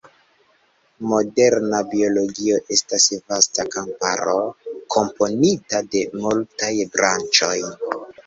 Moderna biologio estas vasta kamparo, komponita de multaj branĉoj.